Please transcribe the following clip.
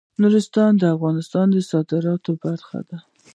نورستان د افغانستان د صادراتو برخه ده.